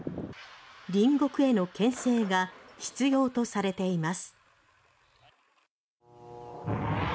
隣国への牽制が必要とされています。